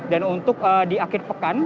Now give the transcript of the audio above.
untuk di akhir pekan